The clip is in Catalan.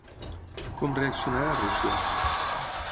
Com reaccionarà Rússia?